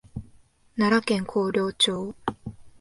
奈良県広陵町